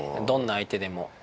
どんな相手でも。